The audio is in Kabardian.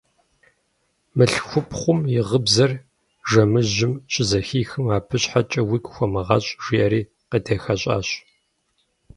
Мылъхупхъум и гъыбзэр жэмыжьым щызэхихым: – Абы щхьэкӀэ уигу хомыгъэщӀ, – жиӀэри къедэхэщӀащ.